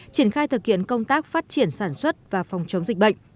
triển khai thực hiện công tác phát triển sản xuất và phòng chống dịch bệnh